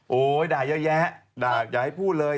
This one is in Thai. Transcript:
โดด่าเยอะแยะอยากให้พูดเลย